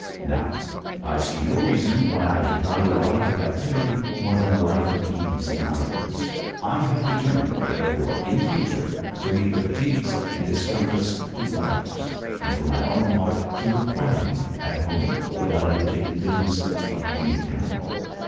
Now, I see no reason why I should value a life of activity more than a life of ease and idleness. I have determined, therefore, in future, to leave the fatigues and discomforts to others, and for my own part to live quietly at home, without undertaking business of any kind.